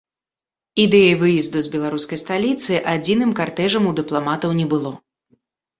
Ідэі выезду з беларускай сталіцы адзіным картэжам у дыпламатаў не было.